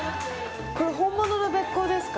これ本物のべっ甲ですか？